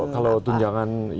kalau tunjangan yang